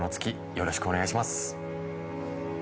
よろしくお願いします。